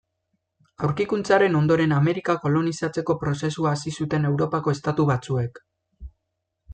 Aurkikuntzaren ondoren Amerika kolonizatzeko prozesua hasi zuten Europako estatu batzuek.